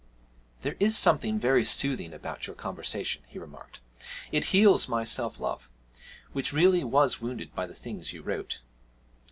'There is something very soothing about your conversation,' he remarked; 'it heals my self love which really was wounded by the things you wrote.'